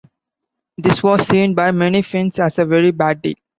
This was seen by many Finns as a very bad deal.